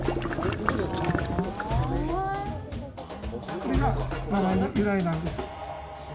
これが名前の由来なんです。